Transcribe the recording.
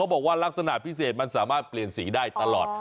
บอกว่าลักษณะพิเศษมันสามารถเปลี่ยนสีได้ตลอด